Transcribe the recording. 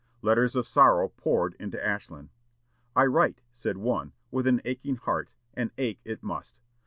Letters of sorrow poured into Ashland. "I write," said one, "with an aching heart, and ache it must.